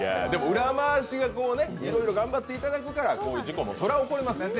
でも裏回しがいろいろ頑張っていただくからこういう事故もそりゃ起こります。